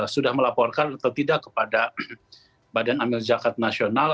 sudah melaporkan atau tidak kepada badan amil zakat nasional